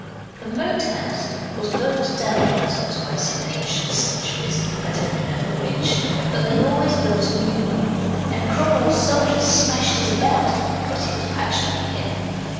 The Moat House was burnt down once or twice in ancient centuries I don't remember which but they always built a new one, and Cromwell's soldiers smashed it about, but it was patched up again.